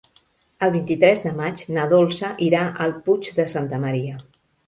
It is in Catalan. El vint-i-tres de maig na Dolça irà al Puig de Santa Maria.